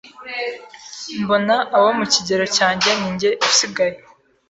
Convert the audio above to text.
mbona abo mu kigero cyanjye ninjye usigaye,